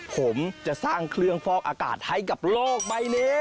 ผมจะสร้างเครื่องฟอกอากาศให้กับโลกใบนี้